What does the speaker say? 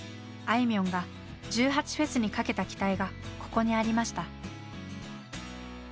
あいみょんが１８祭にかけた期待がここにありました。